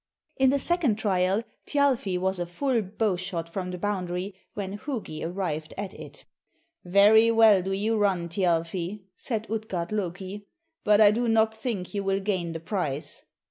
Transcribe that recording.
In the second trial, Thjalfi was a full bow shot from the boundary when Hugi arrived at it. "Very well do you run, Thjalfi," said Utgard Loki; "but I do not think you will gain the prize.